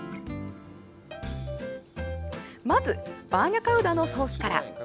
まずバーニャカウダのソースから。